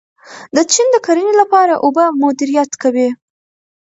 چین د کرنې لپاره اوبه مدیریت کوي.